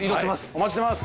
お待ちしてます！